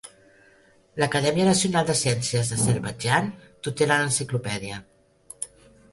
L'Acadèmia Nacional de Ciències d'Azerbaidjan tutela l'enciclopèdia.